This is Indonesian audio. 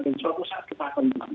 dan suatu saat kita akan menang